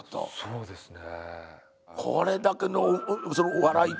そうですね。